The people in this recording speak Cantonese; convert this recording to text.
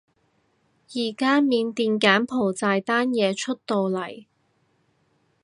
而家緬甸柬埔寨單嘢出到嚟